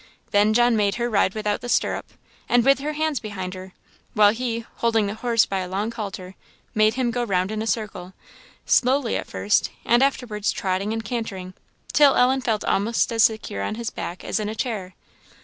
Then John made her ride without the stirrup, and with her hands behind her, while he, holding the horse by a long halter, made him go round in a circle, slowly at first, and afterwards trotting and cantering, till Ellen felt almost as secure on his back as in a chair.